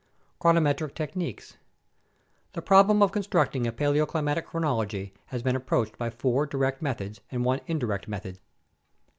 Chronometric Techniques The problem of constructing a paleoclimatic chronology has been ap proached by four direct methods and one indirect method.